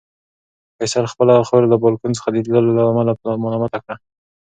فیصل خپله خور له بالکن څخه د لیدلو له امله ملامته کړه.